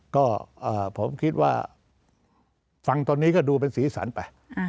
ก็ผมคิดว่าฟังตอนนี้ก็ดูเป็นสีสันไป